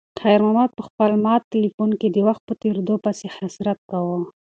خیر محمد په خپل مات تلیفون کې د وخت په تېریدو پسې حسرت کاوه.